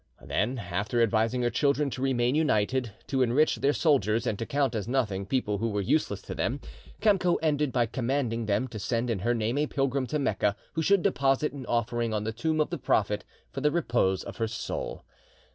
Then, after advising her children to remain united, to enrich their soldiers, and to count as nothing people who were useless to them, Kamco ended by commanding them to send in her name a pilgrim to Mecca, who should deposit an offering on the tomb of the Prophet for the repose of her soul.